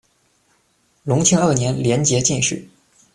隆庆二年，联捷进士。